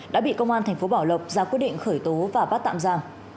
đã bị công an thành phố bảo lộc ra quyết định khởi tố và bắt tạm giam